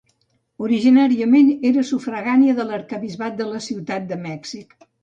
Originàriament era sufragània de l'arquebisbat de Ciutat de Mèxic.